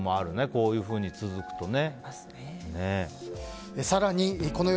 こういうふうに続くとね。